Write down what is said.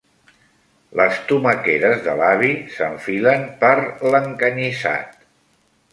Les tomaqueres de l'avi s'enfilen per l'encanyissat.